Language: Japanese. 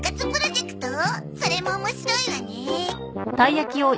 それも面白いわね。